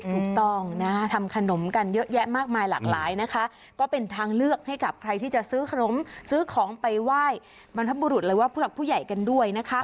ถูกต้องนะทำขนมกันเยอะแยะมากมายหลากหลายนะคะก็เป็นทางเลือกให้กับใครที่จะซื้อขนมซื้อของไปไหว้บรรพบุรุษหรือว่าผู้หลักผู้ใหญ่กันด้วยนะคะ